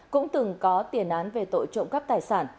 cũng từng có tiền án về tội trộm cắp tài sản